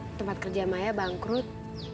tempat kerja maya bangkrut